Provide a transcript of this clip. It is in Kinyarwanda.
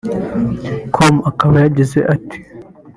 com akaba yagize ati